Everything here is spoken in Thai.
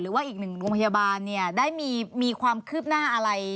หรือว่าอีกหนึ่งโรงพยาบาลเนี่ยได้มีความคืบหน้าอะไร